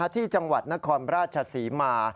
ที่จังหวัดนครราชศรีมา